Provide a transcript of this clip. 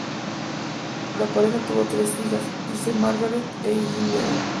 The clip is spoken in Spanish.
La pareja tuvo tres hijas: Ilse, Margaret e Hildegard.